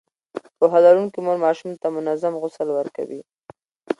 پوهه لرونکې مور ماشوم ته منظم غسل ورکوي.